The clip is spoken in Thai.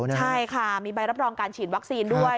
ใช่ค่ะมีใบรับรองการฉีดวัคซีนด้วย